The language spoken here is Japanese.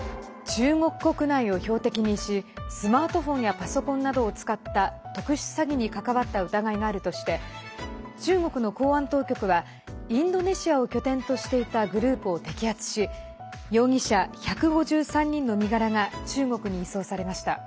中国国内を標的にしスマートフォンやパソコンなどを使った特殊詐欺に関わった疑いがあるとして中国の公安当局はインドネシアを拠点としていたグループを摘発し容疑者１５３人の身柄が中国に移送されました。